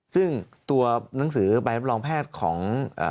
ซึ่งตัวหนังสือใบรับรองแพทย์ของ